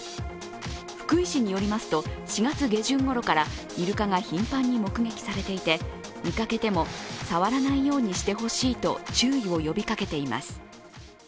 福井市によりますと、４月下旬ごろからイルカが頻繁に目撃されていて、見かけても触らないようにしてほしいと注意を呼びかけています。